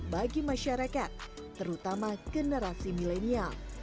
bagi masyarakat terutama generasi milenial